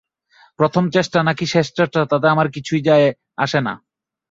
প্রথম চেষ্টা নাকি শেষ চেষ্টা তাতে আমার কিছুই যায় আসে না।